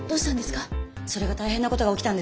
それが大変なことが起きたんです。